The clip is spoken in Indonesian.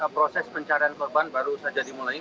proses pencarian korban baru saja dimulai